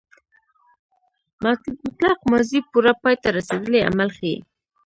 مطلق ماضي پوره پای ته رسېدلی عمل ښيي.